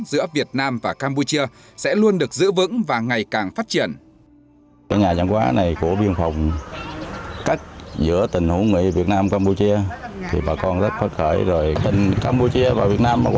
giữa việt nam và campuchia sẽ luôn được giữ vững và ngày càng phát triển